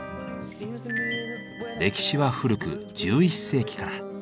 歴史は古く１１世紀から。